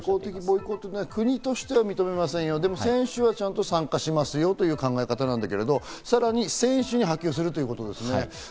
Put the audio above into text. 国としては認めませんよ、でも選手はちゃんと参加しますよという考え方だけど、さらに選手に波及するということですね。